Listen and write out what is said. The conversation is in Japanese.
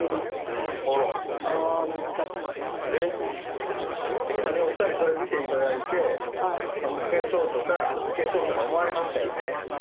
うん今ねお二人それ見ていただいて難しそうとかいけそうとか思われましたよね？